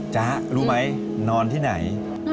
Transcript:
จ๊ะรู้ไหมนอนที่ไหน